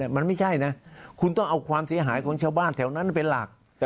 มันไม่ใช่นะคุณต้องเอาความเสียหายของชาวบ้านแถวนั้นเป็นหลัก